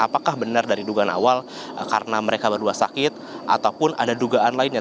apakah benar dari dugaan awal karena mereka berdua sakit ataupun ada dugaan lainnya